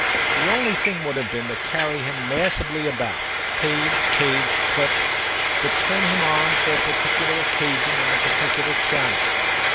The only thing would have been to carry him massively about, paid, caged, clipped; to turn him on for a particular occasion in a particular channel.